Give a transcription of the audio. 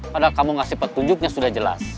padahal kamu ngasih petunjuknya sudah jelas